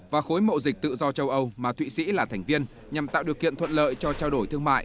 và khối mậu dịch tự do châu âu mà thụy sĩ là thành viên nhằm tạo điều kiện thuận lợi cho trao đổi thương mại